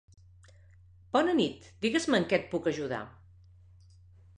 Bona nit, digues-me en què et puc ajudar.